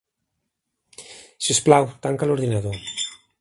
Si us plau, tanca l'ordinador.